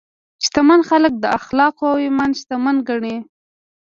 شتمن خلک د اخلاقو او ایمان شتمن ګڼي.